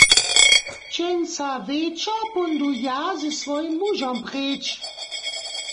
Dźensa wječor póńdu ja ze swojim mužom preč.